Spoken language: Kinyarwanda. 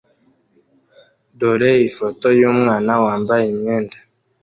Dore ifoto yumwana wambaye imyenda